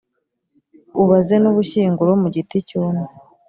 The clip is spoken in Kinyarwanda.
ubaze n’ubushyinguro mu giti cyumye.